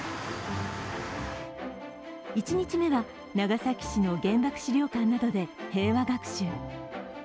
１日目は長崎市の原爆資料館などで平和学習。